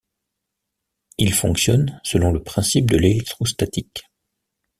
Ils fonctionnent selon le principe de l'électrostatique.